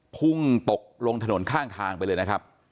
พุ่งตกลงถนนข้างทางไปเลยนะครับ